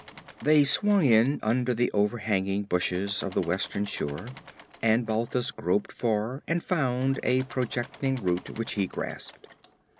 They swung in under the overhanging bushes of the western shore and Balthus groped for and found a projecting root which he grasped.